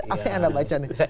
apa yang anda baca nih